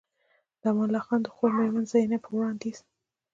د امان الله خان د خور مېرمن زينب په وړانديز